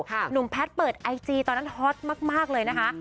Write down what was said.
หนุ่มแพทย์เปิดไอจีตอนนั้นฮอตมากเลยนะคะ